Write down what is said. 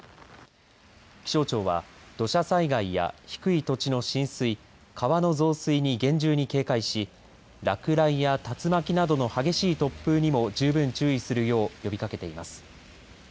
気象庁は土砂災害や低い土地の浸水川の増水に厳重に警戒し落雷や竜巻などの激しい突風にも十分注意するよう呼びかけています。